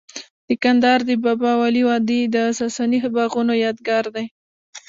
د کندهار د بابا ولی وادي د ساساني باغونو یادګار دی